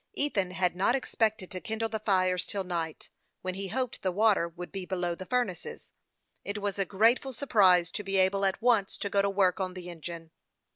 Ethan had not expected to kindle the fires till night, when he hoped the water would be below the furnaces. It was a grateful surprise to be able at once to go to work on the engine.